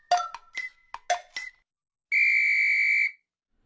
ピッ！